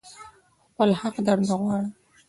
خپل حق درنه غواړم.